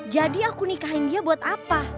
jadi aku nikahin dia buat apa